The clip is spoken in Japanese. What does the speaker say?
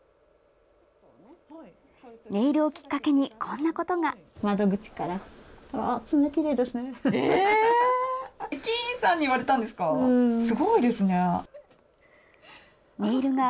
ネイルをきっかけにこんなことが。